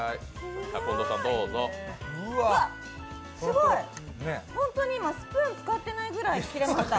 うわ、すごい、本当に今スプーン使ってないのに切れた。